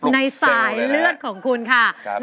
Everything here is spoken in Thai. ในสายเลือดของคุณค่ะ